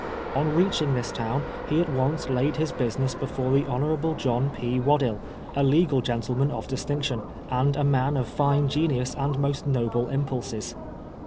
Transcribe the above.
On reaching this town, he at once laid his business before the Hon. John P. Waddill, a legal gentleman of distinction, and a man of fine genius and most noble impulses.